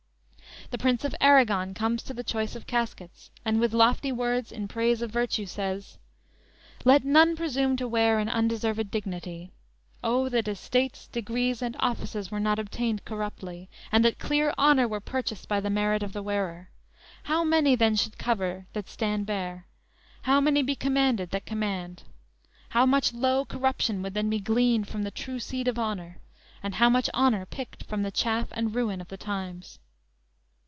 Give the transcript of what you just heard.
The Prince of Arragon comes to the choice of caskets, and with lofty words in praise of virtue, says: _"Let none presume to wear an undeserved dignity. O, that estates, degrees, and offices, Were not obtained corruptly! and that clear honor Were purchased by the merit of the wearer! How many then should cover, that stand bare! How many be commanded that command! How much low corruption would then be gleaned From the true seed of honor! and how much honor Picked from the chaff and ruin of the times!"